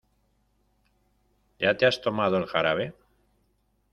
¿Ya te has tomado el jarabe?